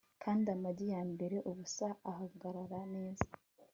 kandi amagi yambaye ubusa ahagarara neza